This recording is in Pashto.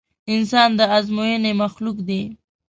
انسان د ازموينې مخلوق دی.